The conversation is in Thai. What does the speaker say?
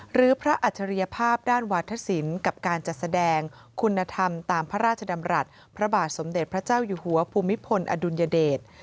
หรือพระอัจฉริยภาพด้านวาธศิลป์กับการจัดแสดงคุณธรรมตามพระราชดำรัฐพระบาทสมเด็จพระเจ้าอยู่หัวภูมิพลอดุลยเดช